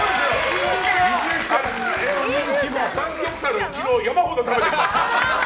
サムギョプサルを昨日山ほど食べてきました。